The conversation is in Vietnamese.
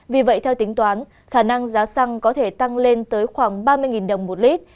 vì vậy theo tính toán khả năng giá xăng có thể tăng lên tới khoảng ba mươi đồng một lít